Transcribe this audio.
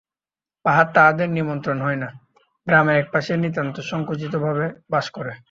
পাড়ায় তাহাদের নিমন্ত্রণ হয় না, গ্রামের একপাশে নিতান্ত সংকুচিত ভাবে বাস করে।